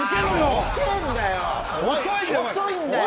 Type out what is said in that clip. お前遅いんだよ